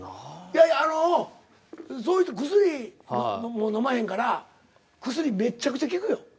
いやいやあのそうして薬ものまへんから薬めっちゃくちゃ効くよ。